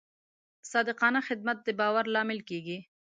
صادقانه خدمت د باور لامل کېږي.